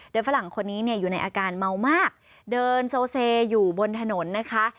โดยฝรั่งคนนี้เนี่ยอยู่ในอาการเมามากเดินโซเซอยู่บนถนนนะคะ